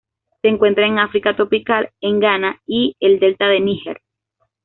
Se encuentra en África tropical en Ghana y el delta del Níger.